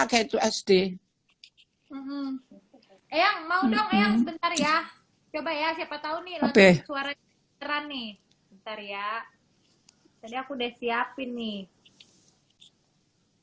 sd yang mau dong yang bentar ya coba ya siapa tahu nih suara terani bentar ya jadi aku udah siapin nih